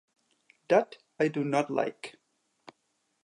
That I do not like.